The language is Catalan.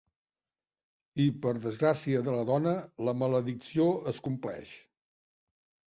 I, per a desgràcia de la dona, la maledicció es compleix!